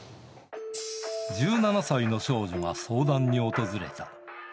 １７歳の少女が相談に訪れた。